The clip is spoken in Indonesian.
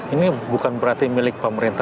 ini bukan berarti milik pemerintah